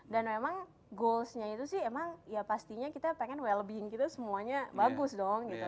dan memang goalsnya itu sih emang ya pastinya kita pengen well being gitu semuanya bagus dong gitu